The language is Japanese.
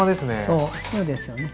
そうそうですよね。